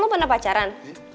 lu pernah pacaran